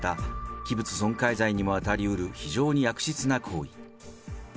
器物損壊罪にも当たりうる非常に悪質な行為。